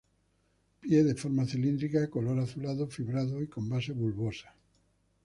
Pie de forma cilíndrica, color azulado fibrado y con base bulbosa.